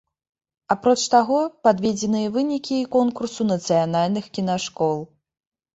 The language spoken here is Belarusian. Апроч таго, падведзеныя вынікі і конкурсу нацыянальных кінашкол.